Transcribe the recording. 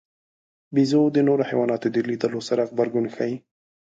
بیزو د نورو حیواناتو د لیدلو سره غبرګون ښيي.